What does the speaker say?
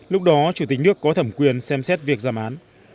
lúc đó chủ tịch nước có thẩm quyền xem xét việc giảm án